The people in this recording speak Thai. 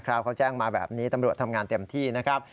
เขาแจ้งมาแบบนี้ตำรวจทำงานเต็มที่นะครับ